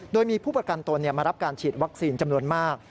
โดยมีผู้ประกันตนมารับการฉีดวัคซีนจำนวนมาก